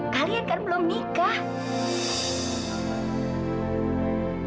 kalian kan belum nikah